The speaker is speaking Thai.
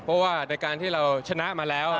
เพราะว่าในการที่เราชนะมาแล้ว